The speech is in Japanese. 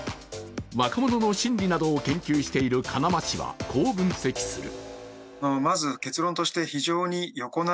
若者の心理などを研究している金間氏はこう分析する。